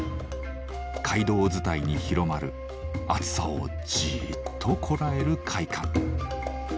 街道伝いに広まる熱さをじっとこらえる快感。